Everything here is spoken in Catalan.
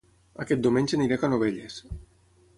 Aquest diumenge aniré a Canovelles